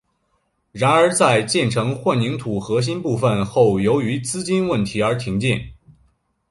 然而在建成混凝土核心部分后由于资金问题而停建。